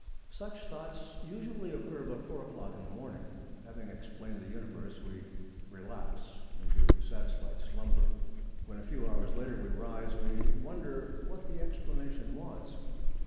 Such thoughts usually occur about four o'clock in the morning. Having explained the Universe, we relapse into satisfied slumber. When, a few hours later, we rise, we wonder what the explanation was.